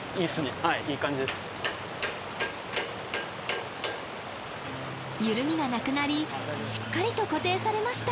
はい緩みがなくなりしっかりと固定されました